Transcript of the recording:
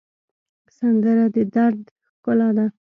سندره د دَرد ښکلا ده